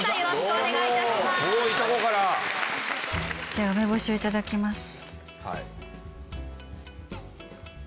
じゃあ梅干しをいただきます。